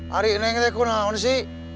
hari neng tuh kenaun sih